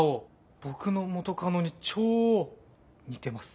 僕の元カノに超似てます。